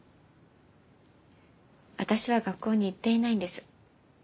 私は学校に行っていないんです。